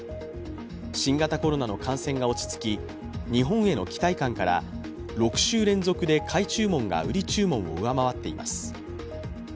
新型コロナの感染が落ち着き、日本への期待感から６週連続で買い注文が売り注文を上回っています。